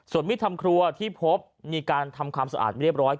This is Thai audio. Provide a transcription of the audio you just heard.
ส่วนมีดทำครัวที่พบมีการทำความสะอาดเรียบร้อย